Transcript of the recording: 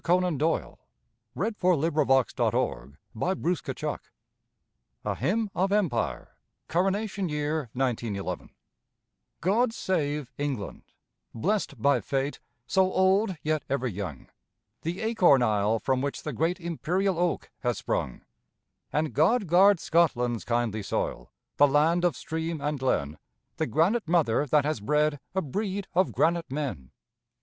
Crowborough 1911 I. NARRATIVE VERSES AND SONGS SONGS OF THE ROAD A HYMN OF EMPIRE (Coronation Year, 1911) God save England, blessed by Fate, So old, yet ever young: The acorn isle from which the great Imperial oak has sprung! And God guard Scotland's kindly soil, The land of stream and glen, The granite mother that has bred A breed of granite men!